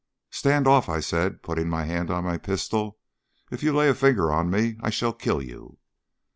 "Stand off," I said, putting my hand on my pistol. "If you lay a finger on me I shall kill you."